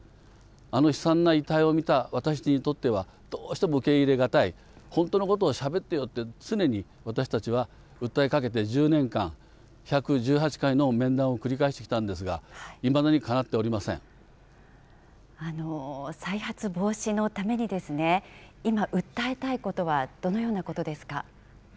あの悲惨な遺体を見た私にとっては、どうしても受け入れ難い、本当のことをしゃべってよって常に私たちは訴えかけて１０年間、１１８回の面談を繰り返してきたんですが、いまだにかなっておりま再発防止のために、今、訴えたいことは、どのようなことですか。